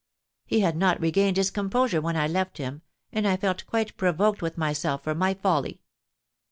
He had not regained his composure when I left him, and I felt quite provoked with myself for my folly.